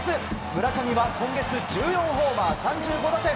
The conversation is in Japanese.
村上は今月１４ホーマー３５打点。